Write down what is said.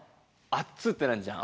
「あっつ」ってなんじゃん。